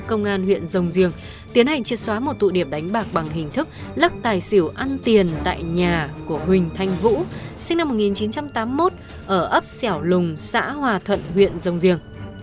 công an huyện rồng giềng tiến hành triệt xóa một tụ điểm đánh bạc bằng hình thức lắc tài xỉu ăn tiền tại nhà của huỳnh thanh vũ sinh năm một nghìn chín trăm tám mươi một ở ấp xẻo lùng xã hòa thuận huyện rồng giềng